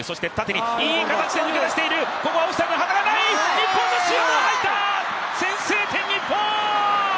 日本のシュート入った、先制点日本！